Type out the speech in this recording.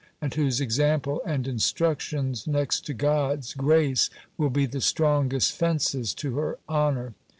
and whose example, and instructions, next to God's grace, will be the strongest fences to her honour!